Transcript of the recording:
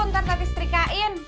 ntar nanti setrikain